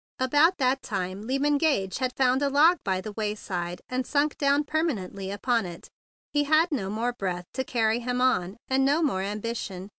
About that time Lyman Gage had found a log by the wayside, and sunk down permanently upon it. He had no more breath to carry him on, and no more ambition.